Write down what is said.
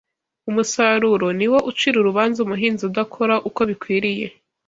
Umusaruro ni wo ucira urubanza umuhinzi udakora uko bikwiriye